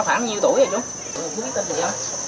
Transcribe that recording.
nó khoảng nhiêu tuổi rồi chú